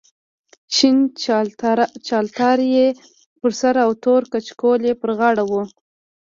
شین چلتار یې پر سر او تور کچکول یې پر غاړه و.